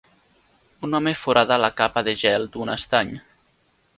Un home forada la capa de gel d'un estany.